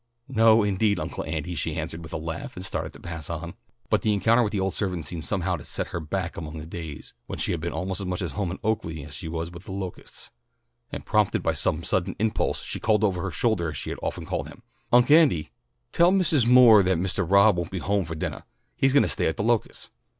"No, indeed, Uncle Andy," she answered with a laugh, and started to pass on. But the encounter with the old servant seemed somehow to set her back among the days when she had been almost as much at home at Oaklea as she was at The Locusts, and prompted by some sudden impulse she called over her shoulder as she had often called then: "Unc' Andy, tell Mrs. Moore that Mistah Rob won't be home for dinnah. He's going to stay at The Locusts."